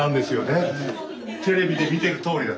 テレビで見てるとおりだ。